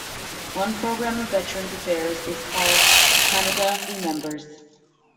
One program of Veterans Affairs is called Canada Remembers.